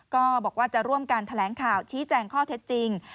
ก็บอกว่าจะร่วมการแถลงข่าวชี้แจงข้อเท็จจริง